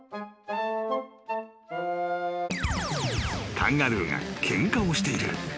［カンガルーがケンカをしている］